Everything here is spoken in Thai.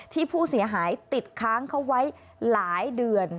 ที่ผู้เสียหายติดค้างเขาไว้หลายเดือน